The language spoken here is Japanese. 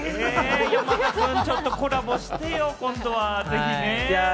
山田くん、ちょっとコラボしてよ、今度はね。